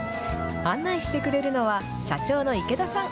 案内してくれるのは、社長の池田さん。